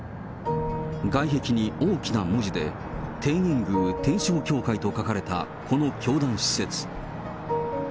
外壁に大きな文字で、天苑宮天勝教会と書かれたこの教団施設。